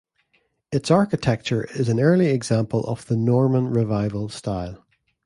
Its architecture is an early example of the Norman Revival style.